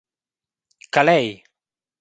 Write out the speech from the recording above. Calei!